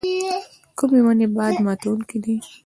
کومې ونې باد ماتوونکي دي؟